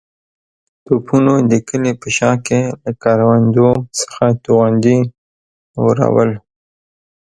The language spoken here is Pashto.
توپونو د کلي په شا کې له کروندو څخه توغندي اورول.